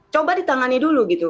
coba di tangannya dulu gitu